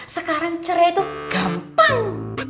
sekarang cerai tuh gampang